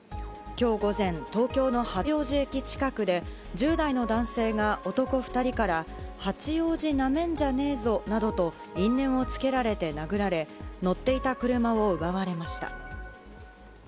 きょう午前、東京の八王子駅近くで、１０代の男性が男２人から、八王子なめんじゃねえぞなどと、因縁をつけられて殴られ、乗っていた車を奪われました。